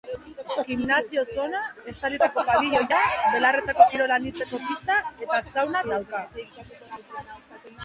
Gimnasio-zona, estalitako pabiloia, belarretako kirol anitzeko pista, eta sauna dauka.